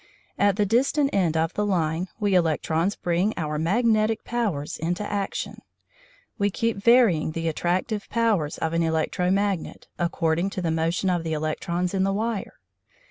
At the distant end of the line we electrons bring our magnetic powers into action. We keep varying the attractive powers of an electro magnet, according to the motion of the electrons in the wire.